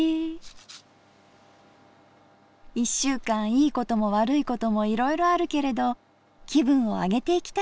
１週間いいことも悪いこともいろいろあるけれど気分を上げていきたいですね